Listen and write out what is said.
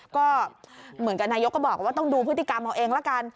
ก็เหมือนกับนายกก็บอกว่าต้องดูพฤติกรรมเอาเองละกัน